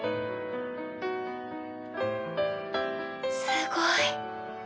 すごい。